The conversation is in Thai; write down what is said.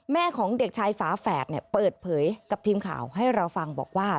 แม่ของเด็กชายฝาแฝดเปิดเผยกับทีมข่าวให้เราฟังบอกว่า